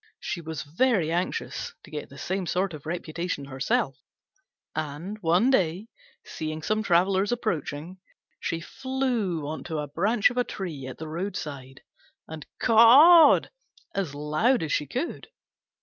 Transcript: She was very anxious to get the same sort of reputation herself; and, one day, seeing some travellers approaching, she flew on to a branch of a tree at the roadside and cawed as loud as she could.